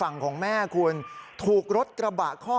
นะครับ